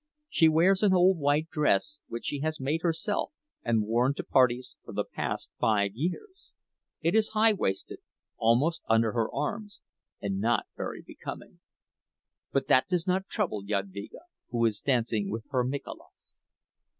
She wears an old white dress which she has made herself and worn to parties for the past five years; it is high waisted—almost under her arms, and not very becoming,—but that does not trouble Jadvyga, who is dancing with her Mikolas.